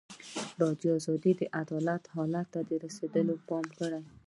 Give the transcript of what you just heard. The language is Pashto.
ازادي راډیو د عدالت حالت ته رسېدلي پام کړی.